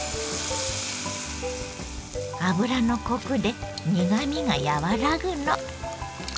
油のコクで苦みが和らぐの。